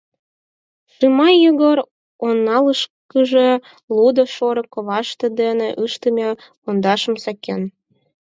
Шимай Йогор оҥылашышкыже лудо шорык коваште дене ыштыме пондашым сакен.